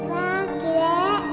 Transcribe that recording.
きれい！